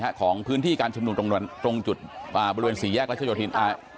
จุดไหนฮะของพื้นที่การชำนวนตรงจุดบริเวณศรีแยกรัชโยธิน